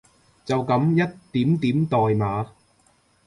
就噉一點點代碼